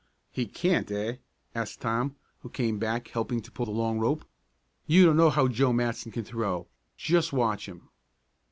"He can't, eh?" asked Tom, who came back, helping to pull the long rope. "You don't know how Joe Matson can throw. Just watch him."